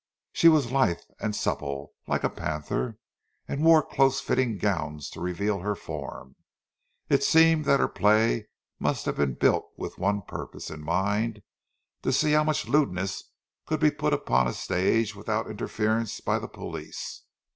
She was lithe and supple, like a panther, and wore close fitting gowns to reveal her form. It seemed that her play must have been built with one purpose in mind, to see how much lewdness could be put upon a stage without interference by the police.